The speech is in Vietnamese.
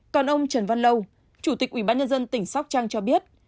còn ông trần văn lâu chủ tịch ubnd tỉnh sóc trang cho biết